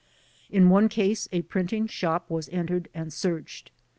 In one case a printing shop was entered and searched.